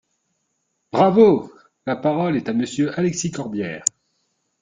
Bravo ! La parole est à Monsieur Alexis Corbière.